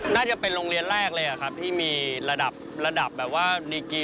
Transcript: น่าจะเป็นโรงเรียนแรกเลยครับที่มีระดับระดับแบบว่าดีกี